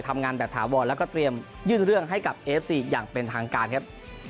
ทำงานแบบถาวรแล้วก็เตรียมยื่นเรื่องให้กับเอฟซีอย่างเป็นทางการครับ